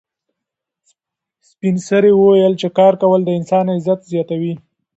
سپین سرې وویل چې کار کول د انسان عزت زیاتوي.